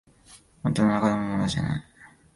大人が飲むものじゃない